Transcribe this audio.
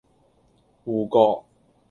芋角